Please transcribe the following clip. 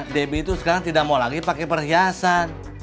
debbie itu sekarang tidak mau lagi pakai perhiasan